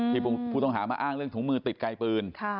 ผู้ต้องหามาอ้างเรื่องถุงมือติดไกลปืน